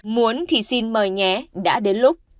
muốn thì xin mời nhé đã đến lúc